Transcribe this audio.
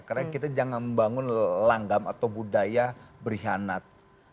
karena kita jangan membangun langgam atau budaya berkhianat